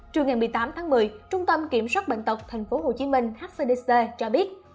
trường ngày một mươi tám tháng một mươi trung tâm kiểm soát bệnh tật tp hcm hcdc cho biết